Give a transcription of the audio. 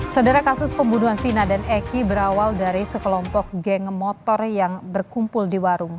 saudara kasus pembunuhan vina dan eki berawal dari sekelompok geng motor yang berkumpul di warung